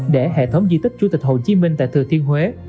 để hệ thống di tích chủ tịch hồ chí minh tại thừa thiên huế